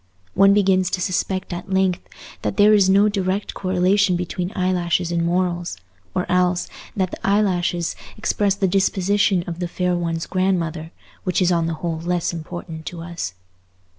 One begins to suspect at length that there is no direct correlation between eyelashes and morals; or else, that the eyelashes express the disposition of the fair one's grandmother, which is on the whole less important to us.